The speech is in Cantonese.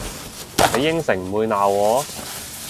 你應承唔會鬧我？